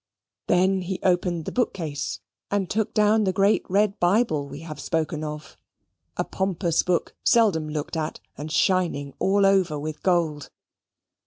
Then he opened the book case, and took down the great red Bible we have spoken of a pompous book, seldom looked at, and shining all over with gold.